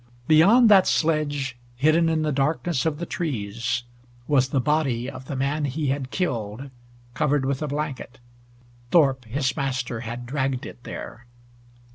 Beyond that sledge, hidden in the darkness of the trees, was the body of the man he had killed, covered with a blanket. Thorpe, his master, had dragged it there.